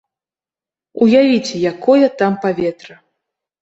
Уявіце, якое там паветра.